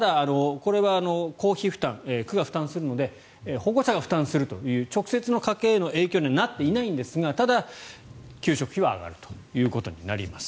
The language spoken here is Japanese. これは公費負担ということで保護者が負担するという直接の家計への影響にはなっていないですがただ、給食費は上がるということになります。